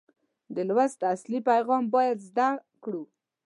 د لوست اصلي پیغام باید زده کړو.